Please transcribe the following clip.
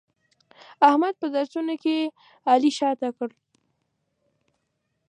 احمد په درسونو کې علي شاته کړ.